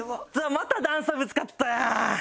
また段差ぶつかったやん。